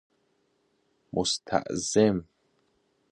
مستعظم